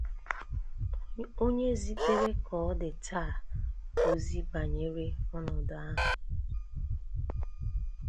onye ziteere Ka Ọ Dị Taa ozi banyere ọnọdụ ahụ.